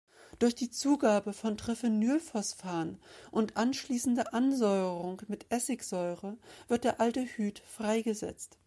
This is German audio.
Durch Zugabe von Triphenylphosphan und anschließende Ansäuerung mit Essigsäure wird der Aldehyd freigesetzt.